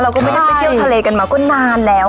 ไม่ได้ไปที่ที่ทะเลกันมาก็นานแล้ว